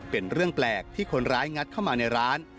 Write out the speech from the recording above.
เป็นเรื่องแปลกที่คนร้ายงัดเข้ามาในร้าน